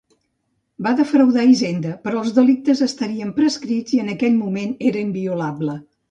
Va defraudar Hisenda, però els delictes estarien prescrits i en aquell moment era inviolable.